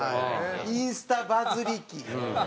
インスタバズり期。